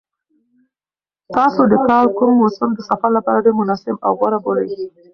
تاسو د کال کوم موسم د سفر لپاره ډېر مناسب او غوره بولئ؟